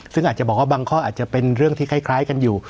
ซึ่งอาจจะบอกว่าบางข้ออาจจะเป็นเรื่องที่คล้ายกันอยู่